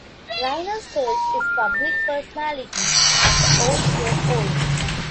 Rhyner styles his public personality as "The Old Grey Wolf".